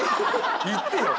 言ってよ。